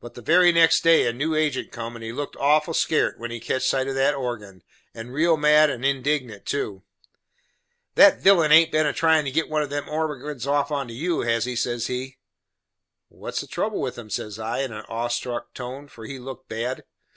But the very next day, a new agent come, and he looked awful skairt when he katched sight of that organ, and real mad and indignant too. "That villain haint been a tryin' to get one of them organs off onto you, has he?" says he. "What is the trouble with 'em?" says I, in a awestruck tone, for he looked bad.